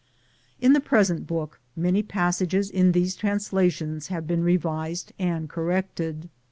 In the present book many passages in these translations have been re vised and corrected.